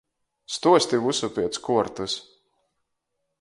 Stuosti vysu piec kuortys!